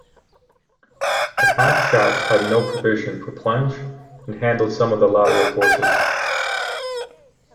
The half-shafts had no provision for plunge and handled some of the lateral forces.